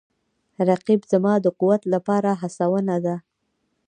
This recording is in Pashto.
رقیب زما د قوت لپاره هڅونه ده